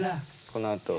このあと。